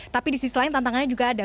tapi di sisi lain tantangannya juga ada